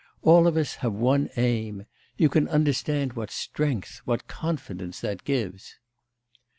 All of us have one aim. You can understand what strength, what confidence that gives!